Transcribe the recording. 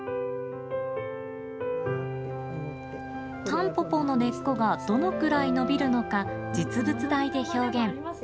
タンポポの根っこがどのくらい伸びるのか、実物大で表現。